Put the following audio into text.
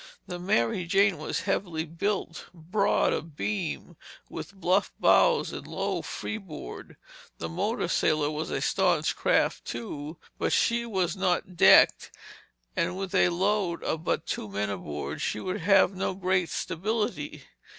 The Mary Jane was heavily built, broad of beam, with bluff bows and low freeboard. The motor sailor was a staunch craft, too, but she was not decked and with a load of but two men aboard she would have no great stability.